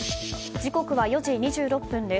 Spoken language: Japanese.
時刻は４時２６分です。